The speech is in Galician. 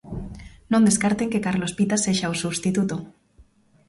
Non descarten que Carlos Pita sexa o substituto.